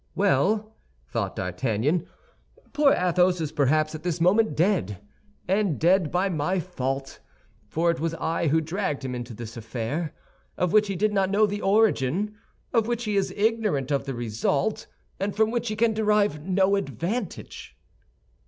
"Well," thought D'Artagnan, "poor Athos is perhaps at this moment dead, and dead by my fault—for it was I who dragged him into this affair, of which he did not know the origin, of which he is ignorant of the result, and from which he can derive no advantage."